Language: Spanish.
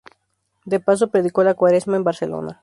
De paso, predicó la cuaresma en Barcelona.